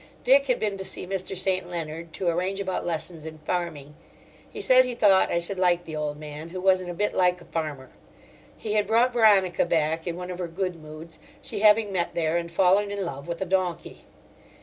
Dick had been to see Mr. St. Leonard to arrange about lessons in farming. He said he thought I should like the old man, who wasn't a bit like a farmer. He had brought Veronica back in one of her good moods, she having met there and fallen in love with a donkey.